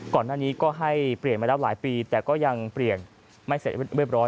ก่อนหน้านี้ก็ให้เปลี่ยนมาแล้วหลายปีแต่ก็ยังเปลี่ยนไม่เสร็จเรียบร้อย